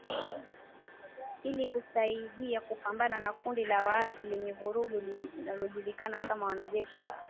Ili kusaidia kupambana na kundi la waasi lenye vurugu linalojulikana kama Majeshi ya demokrasia ya washirika.